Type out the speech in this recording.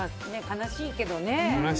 悲しいけどね。